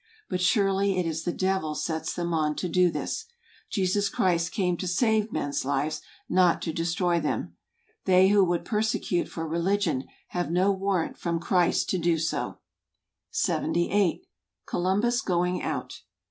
But surely it is the devil sets them on to do this: Jesus Christ came to save men's lives, not to de¬ stroy them. They who would persecute for re¬ ligion, have no warrant from Christ to do so. SPAIN. 93 78 . Columbus going out